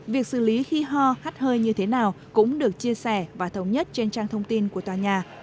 việc xử lý khi ho hắt hơi như thế nào cũng được chia sẻ và thống nhất trên trang thông tin của tòa nhà